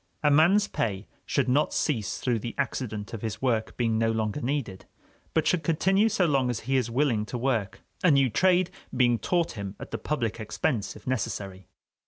A man's pay should not cease through the accident of his work being no longer needed, but should continue so long as he is willing to work, a new trade being taught him at the public expense, if necessary.